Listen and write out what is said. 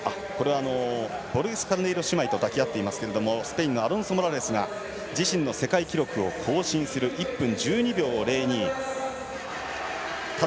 ボルゲスカルネイロ姉妹と抱き合っていますがスペインのアロンソモラレスが自身の世界記録を更新する１分１２秒０２ただ